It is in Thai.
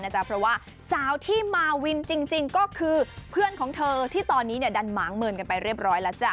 เพราะว่าสาวที่มาวินจริงก็คือเพื่อนของเธอที่ตอนนี้ดันหมางเมินกันไปเรียบร้อยแล้วจ้ะ